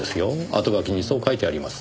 あとがきにそう書いてあります。